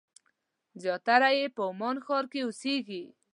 زیاتره یې په عمان ښار کې اوسېږي.